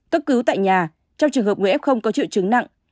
cấp cứu tại nhà trong trường hợp người f có triệu chứng nặng